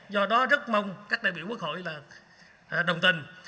do đó rất mong các đại biểu quốc hội là đồng tình